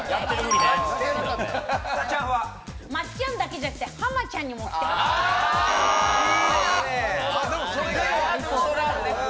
まっちゃんだけじゃなくて、浜ちゃんにも来てほしい。